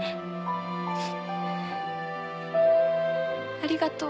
ありがとう。